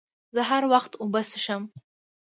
زه هر وخت اوبه څښم.